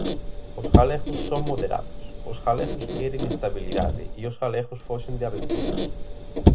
Os galegos son moderados, os galegos queren estabilidade e os galegos foxen de aventuras.